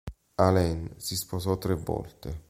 Alan si sposò tre volte.